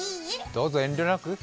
どうぞ遠慮なく。